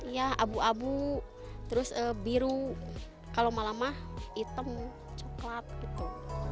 ya abu abu terus biru kalau malamah hitam coklat gitu